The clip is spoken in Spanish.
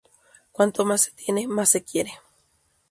Cuanto más se tiene, más se quiere